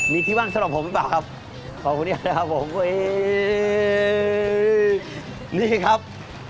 มีที่ว่างสำหรับผมหรือเปล่าครับขอบคุณเนี่ยนะครับผมนี่ครับ